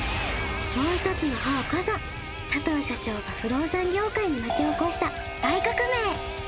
もう一つの方こそ佐藤社長が不動産業界に巻き起こした大革命